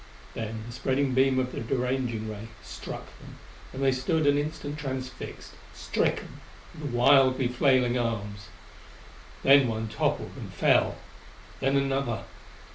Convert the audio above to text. Then the spreading beam of the deranging ray struck them, and they stood an instant transfixed, stricken, with wildly flailing arms. Then one toppled and fell. Then another.